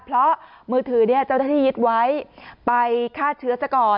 เพราะมือถือเจ้าหน้าที่ยึดไว้ไปฆ่าเชื้อซะก่อน